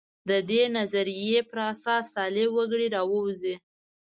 د دې نظریې پر اساس صالح وګړي راووځي.